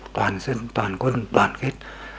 toàn dân toàn quân toàn kết